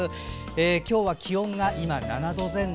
今日は気温が今７度前後。